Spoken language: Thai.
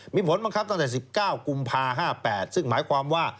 มีผลบังคับตั้งแต่๑๙กุมภา๕๘ซึ่งหมายความว่า